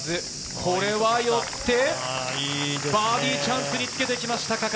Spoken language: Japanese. これは寄って、バーディーチャンスにつけてきました嘉数。